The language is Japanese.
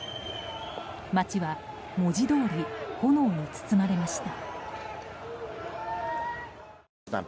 街は文字どおり炎に包まれました。